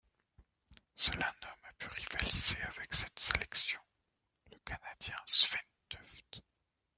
Seul un homme a pu rivaliser avec cette sélection, le Canadien Svein Tuft.